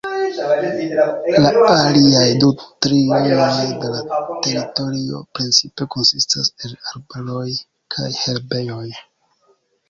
La aliaj du trionoj de la teritorio precipe konsistas el arbaroj kaj herbejoj.